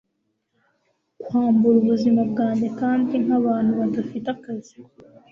Kwambura ubuzima bwanjye kandi nkabantu badafite akazi